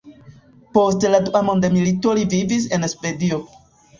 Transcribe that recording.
Post la dua mondmilito li vivis en Svedio.